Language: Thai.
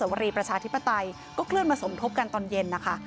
วรีประชาธิปไตยก็เคลื่อนมาสมทบกันตอนเย็นนะคะ